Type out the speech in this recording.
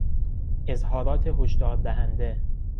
اظهارات هشدار دهنده